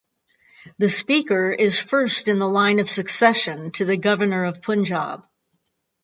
The Speaker is first in the line of succession to the Governor of Punjab.